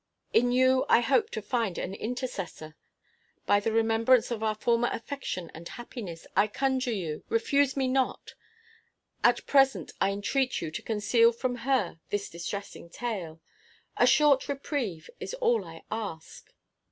In you I hope to find an intercessor. By the remembrance of our former affection and happiness, I conjure you, refuse me not At present, I entreat you to conceal from her this distressing tale. A short, reprieve is all I ask."